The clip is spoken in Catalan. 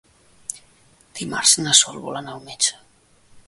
Dimarts na Sol vol anar al metge.